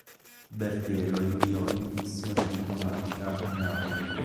Berthier lo inviò in missione diplomatica a Napoli.